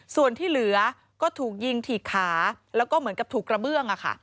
ส่วนที่เหลือก็ถูกยิงถีกขาแล้วก็เหมือนกับถูกกระเบื้อง